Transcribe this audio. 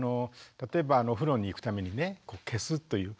例えばお風呂に行くためにね消すという。